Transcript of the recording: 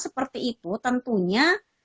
seperti itu tentunya